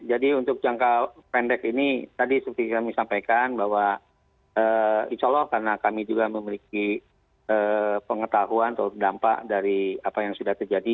jadi untuk jangka pendek ini tadi seperti yang disampaikan bahwa insya allah karena kami juga memiliki pengetahuan atau dampak dari apa yang sudah terjadi